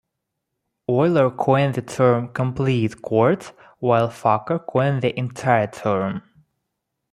Euler coined the term "complete chord", while Fokker coined the entire term.